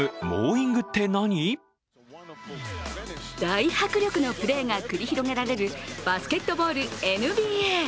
大迫力のプレーが繰り広げられるバスケットボールＮＢＡ。